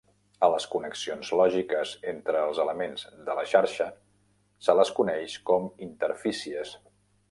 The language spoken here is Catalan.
A les connexions lògiques entre els elements de la xarxa se les coneix com interfícies.